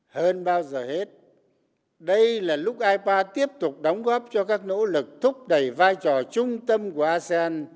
hơn bao giờ hết đây là lúc ipa tiếp tục đóng góp cho các nỗ lực thúc đẩy vai trò trung tâm của asean